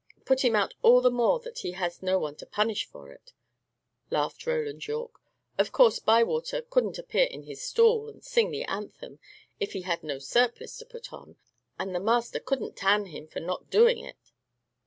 "Put him out all the more that he has no one to punish for it," laughed Roland Yorke. "Of course Bywater couldn't appear in his stall, and sing the anthem, if he had no surplice to put on; and the master couldn't tan him for not doing it.